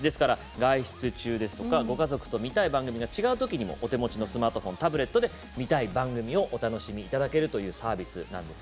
外出中や、あるいはご家族と見たい番組が違うときにもお手持ちのスマホやタブレットで見たい番組をお楽しみいただけるサービスです。